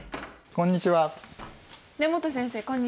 こんにちは。